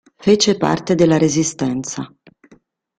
Fece parte della Resistenza.